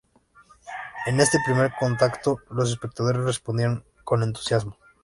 En este primer contacto, los espectadores respondieron con entusiasmo.